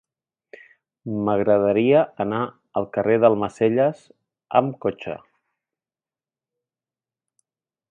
M'agradaria anar al carrer d'Almacelles amb cotxe.